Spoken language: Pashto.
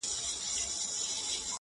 يه پر ما گرانه ته مي مه هېروه!